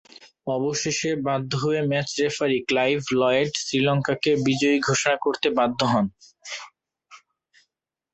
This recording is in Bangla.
অবশেষে বাধ্য হয়ে ম্যাচ রেফারি ক্লাইভ লয়েড শ্রীলঙ্কাকে বিজয়ী ঘোষণা করতে বাধ্য হন।